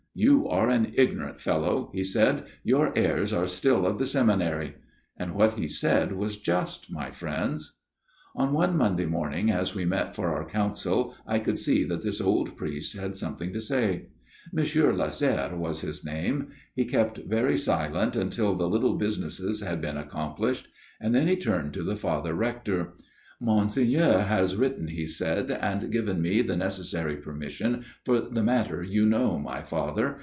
* You are an ignorant fellow,' he said, * your airs are still of the seminary.' And what he said was just, my friends. " On one Monday morning as we met for our council, I could see that this old priest had some thing to say. M. Lasserre was his name. He kept very silent until the little businesses had been accomplished, and then he turned to the Father Rector. "* Monseigneur has written,' he said, * and given me the necessary permission for the matter you know, my father.